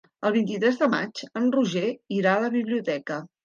El vint-i-tres de maig en Roger irà a la biblioteca.